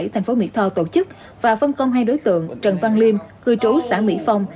thành phố mỹ tho tổ chức và phân công hai đối tượng trần văn liêm cư trú xã mỹ phong